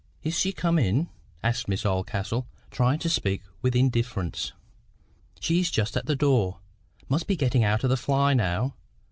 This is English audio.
"Is she come in?" asked Miss Oldcastle, trying to speak with indifference. "She is just at the door,—must be getting out of the fly now.